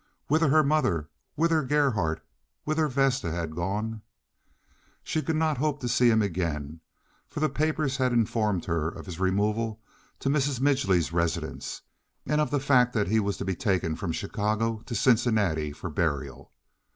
Whither her mother, whither Gerhardt, whither Vesta had gone? She could not hope to see him again, for the papers had informed her of his removal to Mrs. Midgely's residence, and of the fact that he was to be taken from Chicago to Cincinnati for burial.